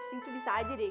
ini tuh bisa aja deh